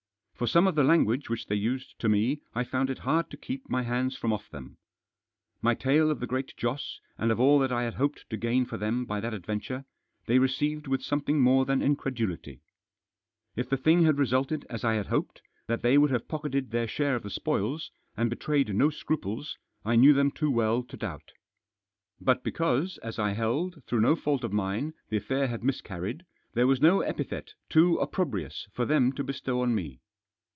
For some of the language which they used to me I found it hard to keep my hands from off them. My tale of the Great Joss, and of all that I had hoped to gain for them by that adventure, they received with something more than incredulity. If the thing THE JOSS. had resulted as I had hoped, that they would have pocketed their share of the spoils, and betrayed no scruples, I knew them too well to doubt. But because, as I held, through no fault of mine, the affair had miscarried, there was no epithet too opprobrious for them to bestow on me.